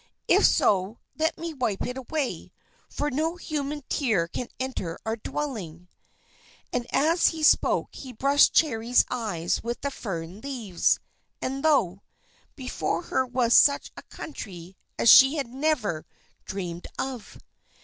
If so, let me wipe it away, for no human tear can enter our dwelling." And as he spoke he brushed Cherry's eyes with the fern leaves. And, lo! before her was such a country as she had never dreamed of!